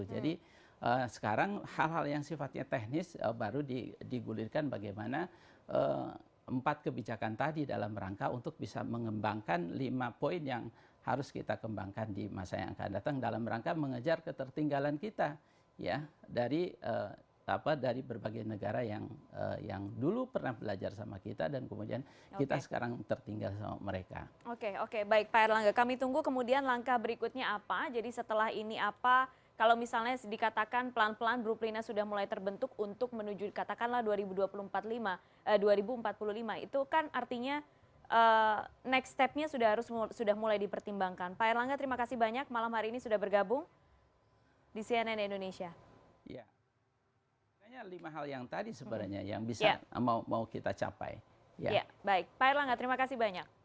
jadi sekarang hal hal yang sifatnya itu berguna dan terima kasih pak menteri untuk mengucapkan penguatan ini kepada anda dan para peneliti di dpr yang lainnya terima kasih